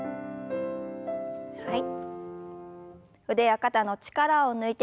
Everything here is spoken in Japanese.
はい。